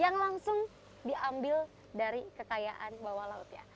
yang langsung diambil dari kekayaan bawah lautnya